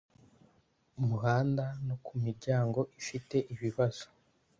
muhanda no ku miryango ifite ibibazo